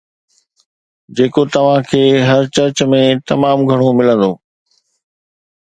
جيڪو توهان کي هر چرچ ۾ تمام گهڻو ملندو